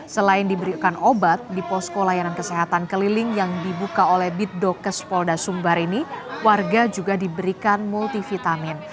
selain diberikan obat di posko layanan kesehatan keliling yang dibuka oleh bitdokes polda sumbar ini warga juga diberikan multivitamin